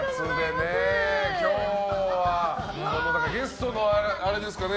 今日はゲストのあれですかね。